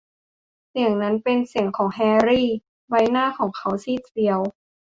เสียงนั้นเป็นเสียงของแฮรี่ และใบหน้าของเขาซีดเซียว